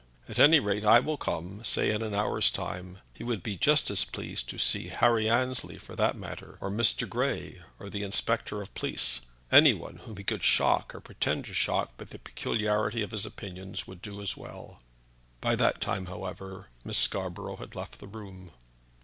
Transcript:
At any rate, I will come say in an hour's time. He would be just as pleased to see Harry Annesley, for the matter of that, or Mr. Grey, or the inspector of police. Any one whom he could shock, or pretend to shock, by the peculiarity of his opinions, would do as well." By that time, however, Miss Scarborough had left the room.